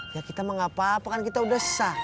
ya kita mah gak apa apa kan kita udah sah